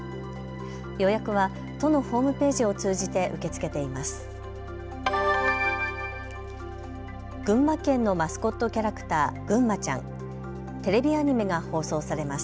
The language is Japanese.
予約は都のホームページを通じて受け付けています。